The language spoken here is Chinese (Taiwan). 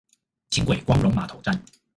輕軌光榮碼頭站